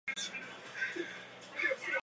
它们能在任何时间繁殖。